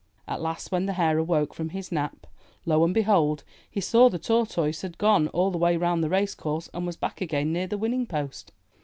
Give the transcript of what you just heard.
At last, when the Hare awoke from his nap, lo and behold! he saw the Tortoise had gone all the way round the race course and was back again near the winning post.